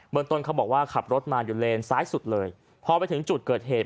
ต้นเขาบอกว่าขับรถมาอยู่เลนซ้ายสุดเลยพอไปถึงจุดเกิดเหตุ